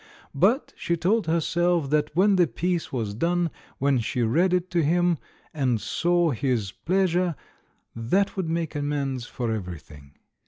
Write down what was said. But she told herself that when the piece was done, when she read it to him, and saw his pleas ure, that would make amends for everything.